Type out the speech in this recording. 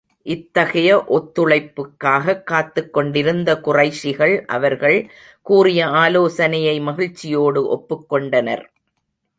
இத்தகைய ஒத்துழைப்புக்காகக் காத்துக் கொண்டிருந்த குறைஷிகள், அவர்கள் கூறிய ஆலோசனையை மகிழ்ச்சியோடு ஒப்புக் கொண்டனர்.